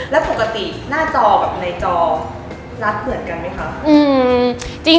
แล้วปกติหน้าจอกับในจอรัดเหมือนกันไหมคะ